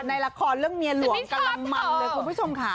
ในละครเรื่องเมียหลวงกำลังมันเลยคุณผู้ชมค่ะ